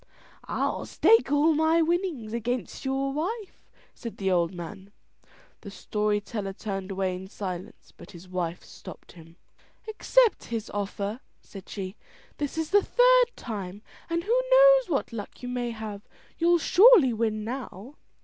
"I'll stake all my winnings against your wife," said the old man. The story teller turned away in silence, but his wife stopped him. "Accept his offer," said she. "This is the third time, and who knows what luck you may have? You'll surely win now."